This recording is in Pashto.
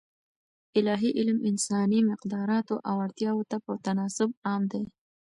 الاهي علم انساني مقدراتو او اړتیاوو ته په تناسب عام دی.